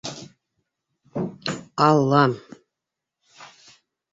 Аллам...